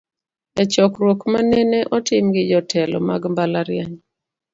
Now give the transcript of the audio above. E chokruok manene otim gi jotelo mag mbalariany.